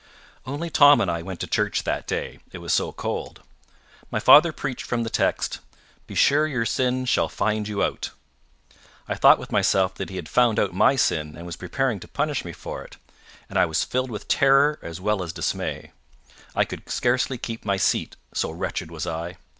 Only Tom and I went to church that day: it was so cold. My father preached from the text, "Be sure your sin shall find you out". I thought with myself that he had found out my sin, and was preparing to punish me for it, and I was filled with terror as well as dismay. I could scarcely keep my seat, so wretched was I.